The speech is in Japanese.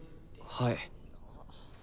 はい。